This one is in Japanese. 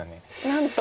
なんと。